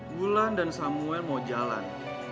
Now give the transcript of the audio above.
bulan dan samuel mau jalan